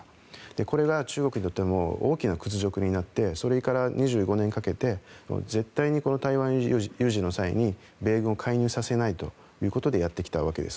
これが中国にとって大きな屈辱になってそれから２５年かけて絶対に台湾有事の際に米軍を介入させないということでやってきたわけです。